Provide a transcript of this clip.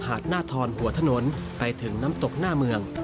หน้าทอนหัวถนนไปถึงน้ำตกหน้าเมือง